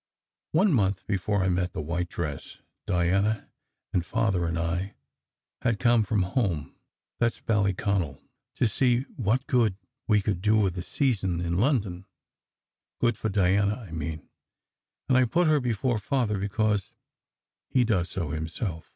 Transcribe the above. One month before I met the white dress, Diana and 3 4 , SECRET HISTORY Father and I Lad come from home that s Ballyconal to see what geod we could do with a season in London; good tor Diana, I mean, and I put her before Father because he does so himself.